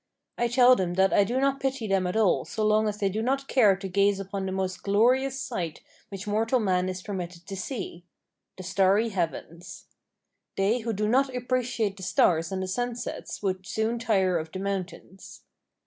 I tell them that I do not pity them at all so long as they do not care to gaze upon the most glorious sight which mortal man is permitted to see—the starry heavens. They who do not appreciate the stars and the sunsets would soon tire of the mountains.